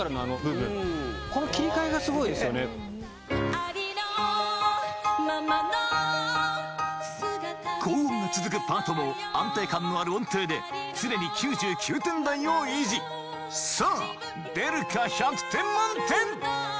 ありのままの高音が続くパートも安定感のある音程で常に９９点台を維持さぁ出るか１００点満点！